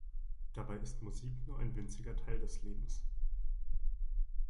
Dabei ist Musik nur ein winziger Teil des Lebens.